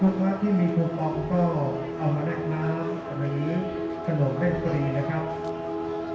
ลูกค้าที่มีภูมิออกก็เอามาแรกน้ำขนมให้ฟรีนะครับ